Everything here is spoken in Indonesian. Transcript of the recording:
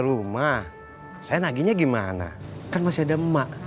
rumah saya naginya gimana kan masih ada emak oh iya ya udah bango jago sini dulu